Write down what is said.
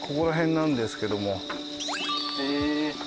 へえ。